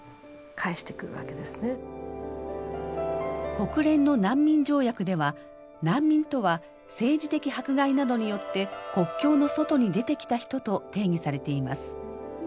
国連の難民条約では「難民とは政治的迫害などによって国境の外に出てきた人」と定義されています。